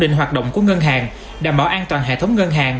để ổn định hoạt động của ngân hàng đảm bảo an toàn hệ thống ngân hàng